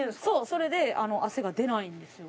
それで汗が出ないんですよ。